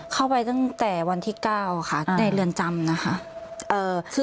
เข้าไปตั้งแต่วันที่๙ค่ะในเรือนจำนะคะ